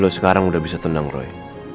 lo sekarang udah bisa tenang roy